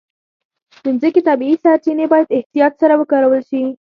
د مځکې طبیعي سرچینې باید احتیاط سره وکارول شي.